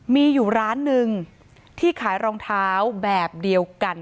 มีอยู่ร้านหนึ่งที่ขายรองเท้าแบบเดียวกัน